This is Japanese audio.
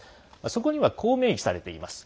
そこには、こう明記されています。